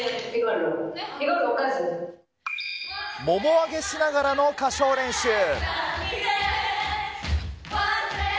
もも上げしながらの歌唱練習。